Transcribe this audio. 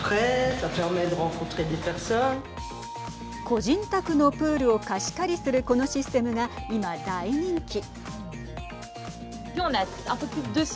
個人宅のプールを貸し借りするこのシステムが今、大人気。